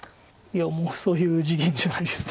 いやもうそういう次元じゃないです。